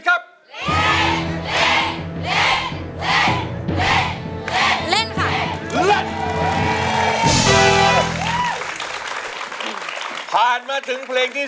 มาฟังอินโทรเพลงที่๑๐